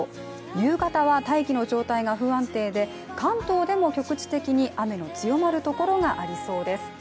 夕方は大気の状態が不安定で関東でも局地的に雨の強まるところがありそうです。